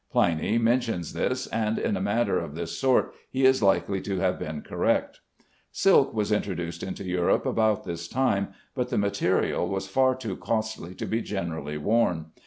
Pliny mentions this, and in a matter of this sort he is likely to have been correct. Silk was introduced into Europe about this time, but the material was far too costly to be generally worn.